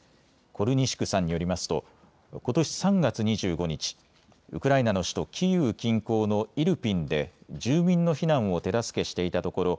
コルニシュクさんによりますとことし３月２５日、ウクライナの首都キーウ近郊のイルピンで住民の避難を手助けしていたところ